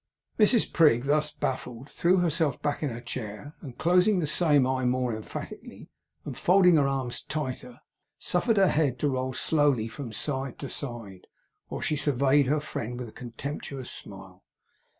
Mrs Prig, thus baffled, threw herself back in her chair, and closing the same eye more emphatically, and folding her arms tighter, suffered her head to roll slowly from side to side, while she surveyed her friend with a contemptuous smile.